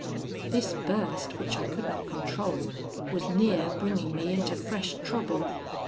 "This burst, which I could not control, was near bringing me into fresh trouble.